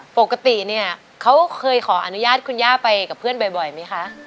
ปกติเนี่ยเขาเคยขออนุญาตคุณย่าไปกับเพื่อนบ่อยไหมคะ